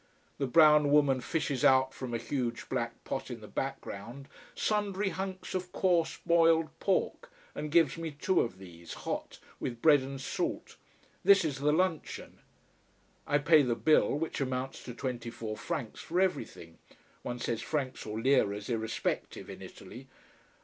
The brown woman fishes out from a huge black pot in the background sundry hunks of coarse boiled pork, and gives me two of these, hot, with bread and salt. This is the luncheon. I pay the bill: which amounts to twenty four francs, for everything. (One says francs or liras, irrespective, in Italy.)